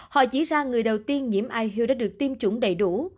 họ chỉ ra người đầu tiên nhiễm ihu đã được tiêm chủng đầy đủ